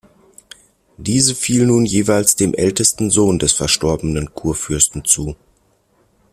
Diese fiel nun jeweils dem ältesten Sohn des verstorbenen Kurfürsten zu.